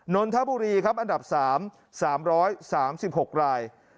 นนทบุรีอันดับ๓๓๓๖ราย